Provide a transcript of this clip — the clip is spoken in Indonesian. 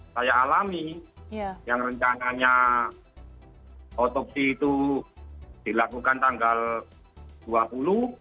saya alami yang rencananya otopsi itu dilakukan tanggal dua puluh